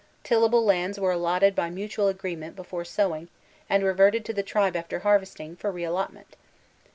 Tillable lands were allotted by mutual agree ment before sowing, and reverted to the tribe after har vesting, for reallotment.